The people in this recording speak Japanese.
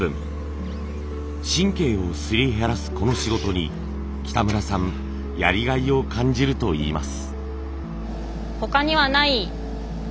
神経をすり減らすこの仕事に北村さんやりがいを感じるといいます。